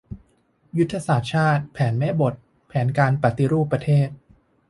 ยุทธศาสตร์ชาติ แผนแม่บท แผนการปฏิรูปประเทศ